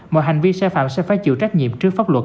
mọi hành vi sai phạm sẽ phải chịu trách nhiệm trước pháp luật